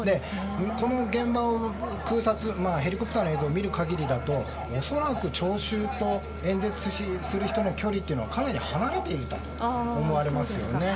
この現場の空撮ヘリコプターの映像を見る限りだと恐らく聴衆と演説する人の距離というのはかなり離れていたと思われますね。